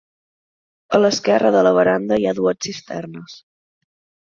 A l'esquerra de la veranda hi ha dues cisternes.